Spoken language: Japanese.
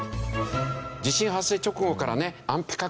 地震発生直後からね安否確認